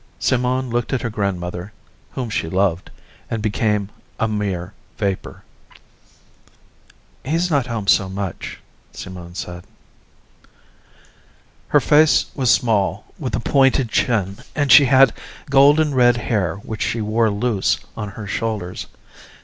Simone looked at her grandmother, whom she loved, and became a mere vapor. "He's not home so much," Simone said. Her face was small, with a pointed chin, and she had golden red hair which she wore loose on her shoulders.